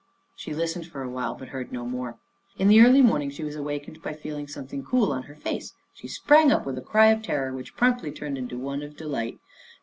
She listened for awhile, but heard no more. In the early morning she was awakened by feeling something cool on her face. She sprang up with a cry of terror which promptly turned to one of delight.